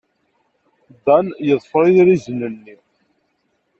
Dan yeḍfer idrizen-nni.